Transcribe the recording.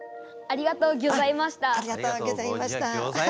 ありがとうギョざいました。